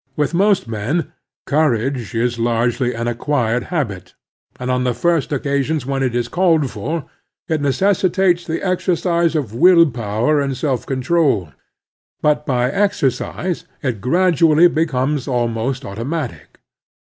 With most men ^courage is largely an acquired habit, and on the first occasions when it is called for it necessitates the exercise of will power and self control; but by exercise it gradually becomes almost automatic.